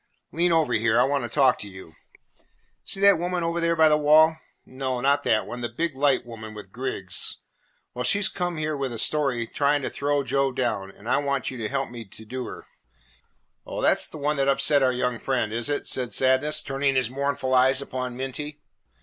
Lean over here, I want to talk to you. See that woman over there by the wall? No, not that one, the big light woman with Griggs. Well, she 's come here with a story trying to throw Joe down, and I want you to help me do her." "Oh, that 's the one that upset our young friend, is it?" said Sadness, turning his mournful eyes upon Minty.